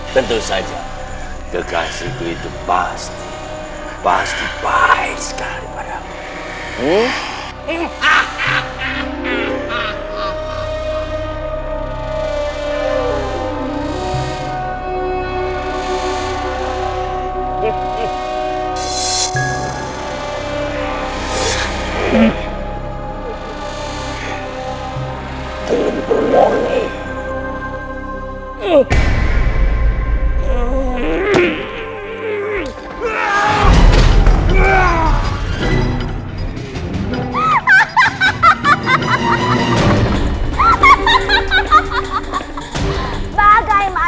tentu saja kekasihku itu pasti baik sekali padamu